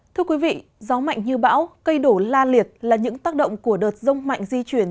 thưa quý vị gió mạnh như bão cây đổ la liệt là những tác động của đợt rông mạnh di chuyển